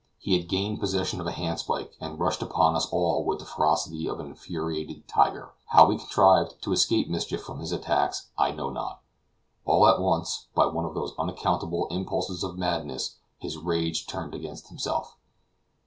He had gained possession of a handspike, and rushed upon us all with the ferocity of an infuriated tiger; how we contrived to escape mischief from his attacks, I know not. All at once, by one of those unaccountable impulses of madness, his rage turned against himself.